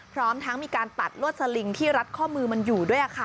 พร้อมทั้งมีการตัดลวดสลิงที่รัดข้อมือมันอยู่ด้วย